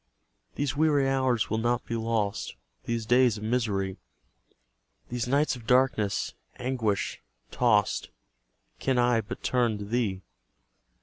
These weary hours will not be lost, These days of misery, These nights of darkness, anguish tost, Can I but turn to Thee.